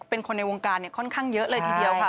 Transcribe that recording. เป็นคนในวงการค่อนข้างเยอะเลยทีเดียวค่ะ